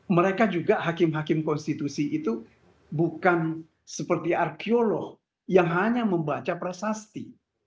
mereka juga hakim hakim konstitusi itu bukan seperti arkeolog yang hanya membaca prasasti